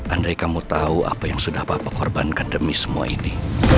andai kamu tahu apa yang sudah bapak korbankan demi semua ini